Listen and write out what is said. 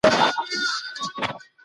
هویت د عادتونو په واسطه قوي کیږي.